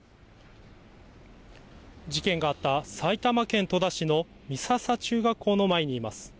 事件があった埼玉県戸田市の美笹中学校の前にいます。